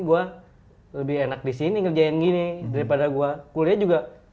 gue lebih enak disini kerjain gini daripada gue kuliah juga